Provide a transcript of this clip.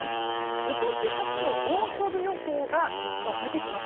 今年初の猛暑日予想が実は出てきます。